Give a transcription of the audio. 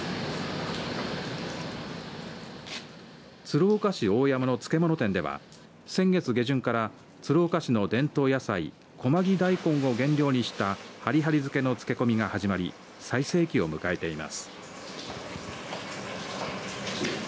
鶴岡市大山の漬物店では先月下旬から鶴岡市の伝統野菜小真木大根を原料にしたはりはり漬けの漬け込みが始まり最盛期を迎えています。